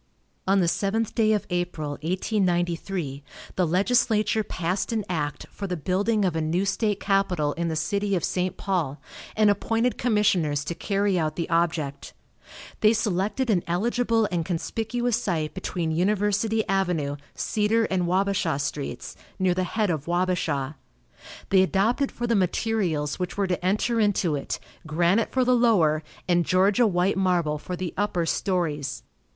On the seventh day of April, 1893, the legislature passed an act for the building of a new state capitol in the city of St. Paul, and appointed commissioners to carry out the object. They selected an eligible and conspicuous site between University avenue, Cedar and Wabasha streets, near the head of Wabasha. They adopted for the materials which were to enter into it granite for the lower and Georgia white marble for the upper stories.